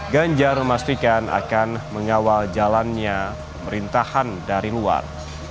ganjar memastikan akan mengawal jalannya pemerintahan dari luar